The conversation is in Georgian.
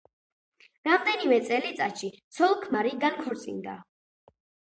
რამდენიმე წელიწადში ცოლ-ქმარი განქორწინდა.